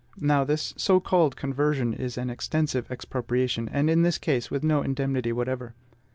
Now, this so called conversion is an extensive expropriation, and in this case with no indemnity whatever.